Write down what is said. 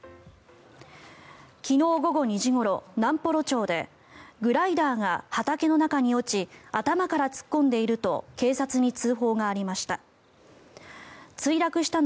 昨日午後２時ごろ、南幌町でグライダーが畑の中に落ち頭から突っ込んでいると警察に通報がありました。